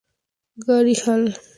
Gary Hall Jr.